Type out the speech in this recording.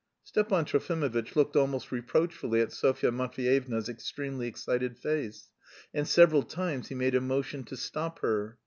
Stepan Trofimovitch looked almost reproachfully at Sofya Matveyevna's extremely excited face, and several times he made a motion to stop her.